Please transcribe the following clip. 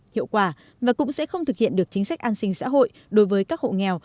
hiệu quả và cũng sẽ không thực hiện được chính sách an sinh xã hội đối với các hộ nghèo